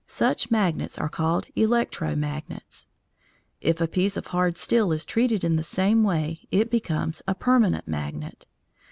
Such magnets are called electro magnets. If a piece of hard steel is treated in the same way it becomes a permanent magnet.